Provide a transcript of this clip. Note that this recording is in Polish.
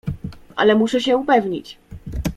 "Ale muszę się upewnić."